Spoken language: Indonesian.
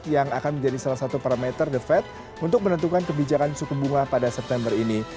yang akan menjadi salah satu parameter the fed untuk menentukan kebijakan suku bunga pada september ini